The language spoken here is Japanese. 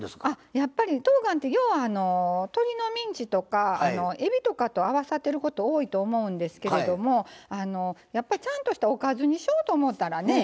やっぱりとうがんって要は鶏のミンチとかえびとかと合わさってること多いと思うんですけれどもやっぱりちゃんとしたおかずにしようと思ったらね